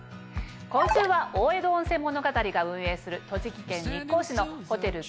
今週は大江戸温泉物語が運営する栃木県日光市のホテル